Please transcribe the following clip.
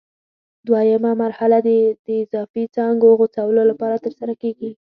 دوه یمه مرحله د اضافي څانګو غوڅولو لپاره ترسره کېږي.